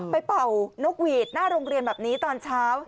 เป่านกหวีดหน้าโรงเรียนแบบนี้ตอนเช้า